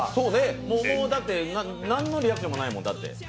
もうだって、何のリアクションもないもん。